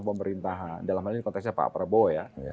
pemerintahan dalam hal ini konteksnya pak prabowo ya